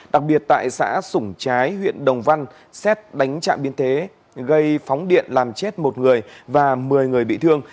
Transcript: đặc biệt tại xã sủng trái huyện đồng văn xét đánh trạm biên thế gây phóng điện làm chết một người và một mươi người bị thương